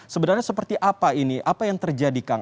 sebenarnya seperti apa ini apa yang terjadi kang